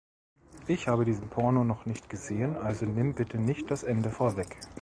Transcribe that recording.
Ich habe diesen Porno noch nicht gesehen, also nimm bitte nicht das Ende vorweg!